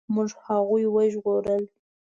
موږ هغوی وژغورل.